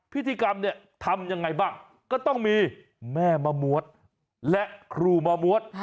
พิธีกรรมเนี่ยทำยังไงบ้างก็ต้องมีแม่มะมวดและครูมะมวด